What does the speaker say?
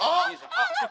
あっ！